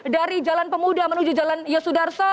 dari jalan pemuda menuju jalan yosudarsa